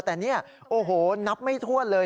แต่เนี่ยโอ้โหนับไม่ถ้วนเลย